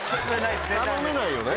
頼めないよね